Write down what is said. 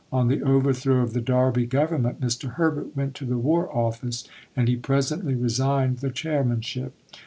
On the overthrow of the Derby Government, Mr. Herbert went to the War Office, and he presently resigned the chairmanship.